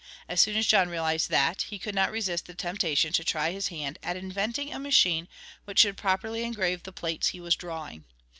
As soon as John realized that, he could not resist the temptation to try his hand at inventing a machine which should properly engrave the plates he was drawing.